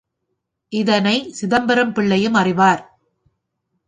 இதனை சிதம்பரம் பிள்ளையும் அறிவார்.